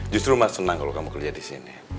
justru mas senang kalau kamu kerja di sini